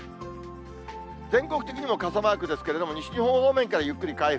全国的にも傘マークですけれども、西日本方面からゆっくり回復。